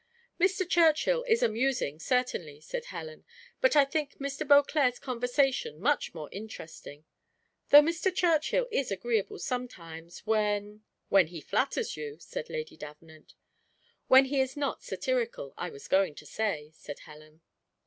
"Mr. Churchill is amusing certainly," said Helen, "but I think Mr. Beauclerc's conversation much more interesting though Mr. Churchill is agreeable, sometimes when " "When he flatters you," said Lady Davenant. "When he is not satirical I was going to say," said Helen.